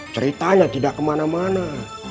ceritanya tidak kemana mana